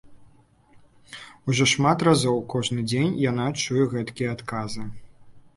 Ужо шмат разоў, кожны дзень яна чуе гэткія адказы.